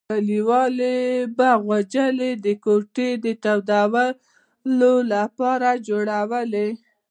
کلیوالو به غوجلې د کوټې د تودولو لپاره جوړولې.